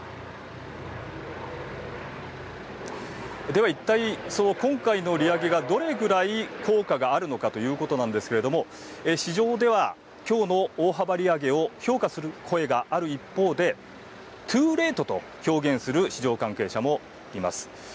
では、一体その今回の利上げが、どれぐらい効果があるのかということなんですけれども市場では、きょうの大幅利上げを評価する声がある一方でトゥー・レイトと表現する市場関係者もいます。